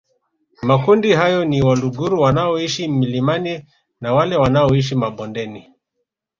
Makundi hayo ni Waluguru wanaoishi milimani na wale wanaoishi mabondeni